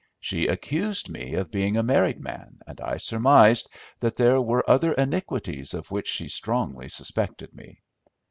She accused me of being a married man, and I surmised that there were other iniquities of which she strongly suspected me.